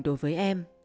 đối với em